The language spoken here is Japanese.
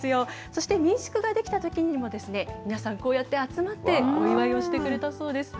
そして民宿が出来たときにも、皆さん、こうやって集まって、お祝いをしてくれたそうです。